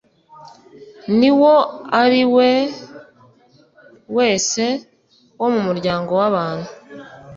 n'uwo ari we wese wo mu muryango w'abantu.